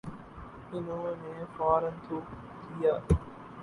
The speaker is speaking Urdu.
انہوں نے فورا تھوک دیا ۔